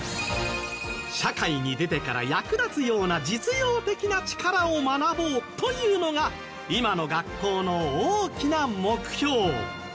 社会に出てから役立つような実用的な力を学ぼうというのが今の学校の大きな目標